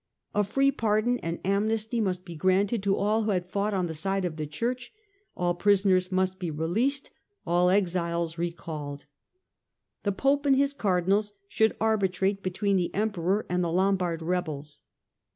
A free pardon and amnesty must be granted to all who had fought on the side of the Church : all prisoners must be released, all exiles recalled. The Pope and his Cardinals should arbitrate between the Emperor and the Lombard rebels.